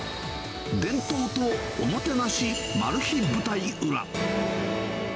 伝統とおもてなしマル秘舞台裏。